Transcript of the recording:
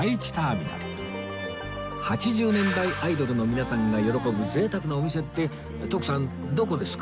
８０年代アイドルの皆さんが喜ぶ贅沢なお店って徳さんどこですか？